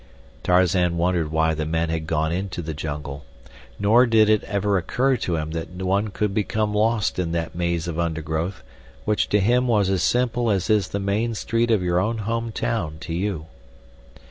Tarzan wondered why the men had gone into the jungle, nor did it ever occur to him that one could become lost in that maze of undergrowth which to him was as simple as is the main street of your own home town to you.